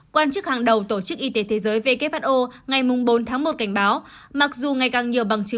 quan chức hàng đầu tổ chức y tế thế giới who ngày bốn tháng một cảnh báo mặc dù ngày càng nhiều bằng chứng